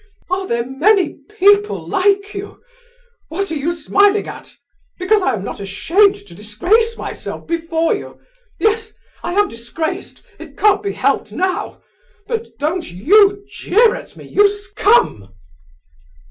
Are there many people like you? What are you smiling at? Because I am not ashamed to disgrace myself before you?—Yes, I am disgraced—it can't be helped now! But don't you jeer at me, you scum!"